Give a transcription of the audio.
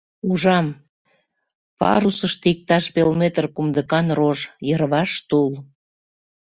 Ужам — парусышто иктаж пел метр кумдыкан рож, йырваш тул.